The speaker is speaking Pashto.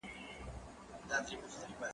زه کولای سم مړۍ وخورم،